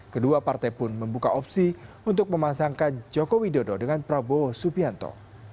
kedua partai pun membuka opsi untuk memasangkan joko widodo dengan prabowo subianto